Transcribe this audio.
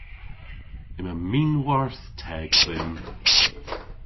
Yma minhwarth teg dhymm.